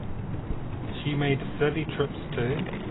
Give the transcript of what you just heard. She made study trips to